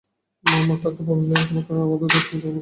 মামা তাঁকে বললেন, তোমার কারণে আমার ধন-সম্পদে অনেক বরকত হয়েছে।